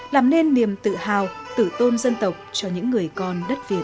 làm nên niềm tự hào tử tôn dân tộc cho những người con đất việt